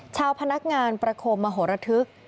ชาวพนักงานประคมมโหระทึก